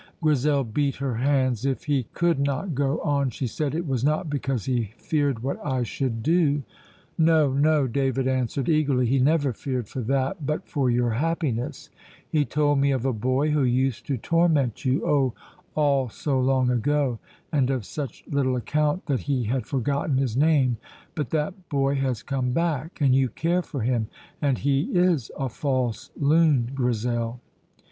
Grizel beat her hands. "If he could not go on," she said, "it was not because he feared what I should do." "No, no," David answered eagerly, "he never feared for that, but for your happiness. He told me of a boy who used to torment you, oh, all so long ago, and of such little account that he had forgotten his name. But that boy has come back, and you care for him, and he is a false loon, Grizel."